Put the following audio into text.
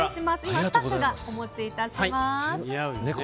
今、スタッフがお持ちします。